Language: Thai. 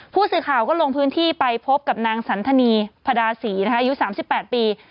ผู้สื่อข่าวก็ลงพื้นที่ไปพบกับนางสันทนีพระดาศรีอายุ๓๘ปี